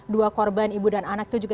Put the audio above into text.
dua korban ibu dan anak itu juga